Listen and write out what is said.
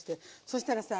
そしたらさ